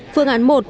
phương án một